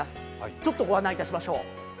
ちょっとご案内しましょう。